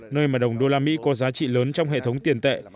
nơi mà đồng đô la mỹ có giá trị lớn trong hệ thống tiền tệ